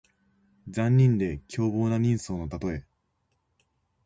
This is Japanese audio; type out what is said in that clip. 残忍で凶暴な人相のたとえ。